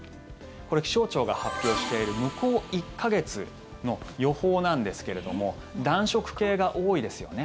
これ気象庁が発表している向こう１か月の予報なんですけれども暖色系が多いですよね。